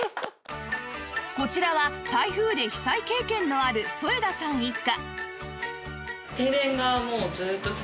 こちらは台風で被災経験のある添田さん一家